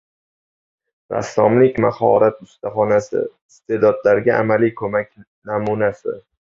Rassomlik mahorat ustaxonasi – iste’dodlarga amaliy ko‘mak namunasi